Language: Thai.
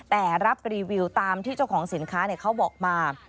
แต่รับรีวิวตามที่เจ้าของสินค้าเขาบอกมา